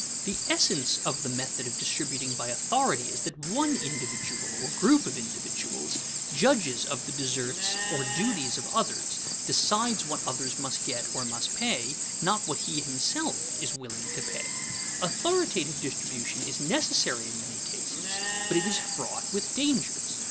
The essence of the method of distributing by authority is that one individual (or group of individuals) judges of the deserts or duties of others, decides what others must get or must pay, not what he himself is willing to pay. Authoritative distribution is necessary in many cases, but it is fraught with dangers.